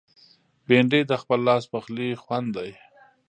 بېنډۍ د خپل لاس پخلي خوند دی